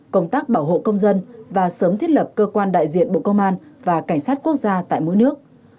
công tác bảo hộ công dân và sớm thiết lập cơ quan đại diện bộ công an và cảnh sát quốc gia tại mỗi nước